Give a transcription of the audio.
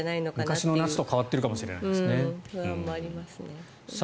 昔の夏とは変わっているかもしれないですね。